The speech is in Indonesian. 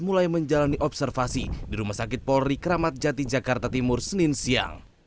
mulai menjalani observasi di rumah sakit polri kramat jati jakarta timur senin siang